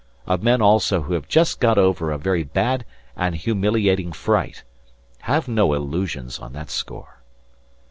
Of men also who have just got over a very bad and humiliating fright.... Have no illusions on that score."